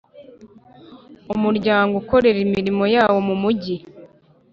Umuryango ukorera imirimo yawo mu Mujyi